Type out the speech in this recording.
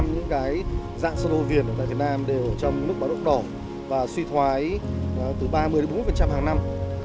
chín mươi chín những dạng sinh hồ viền ở việt nam đều trong nước bão đốt đỏ và suy thoái từ ba mươi bốn mươi hàng năm